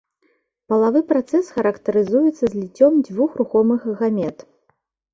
Палавы працэс характарызуецца зліццём дзвюх рухомых гамет.